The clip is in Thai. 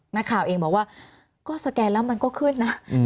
นักข่าวเองบอกว่าก็สแกนแล้วมันก็ขึ้นนะ